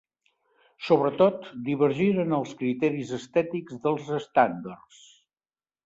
Sobretot, divergien en els criteris estètics dels estàndards.